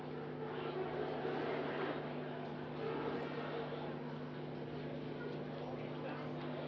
สวัสดีคุณหญิงด่วนรัฐการณ์ด้านสำหรับโดยกีสมาล